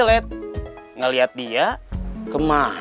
ledang ledang ledang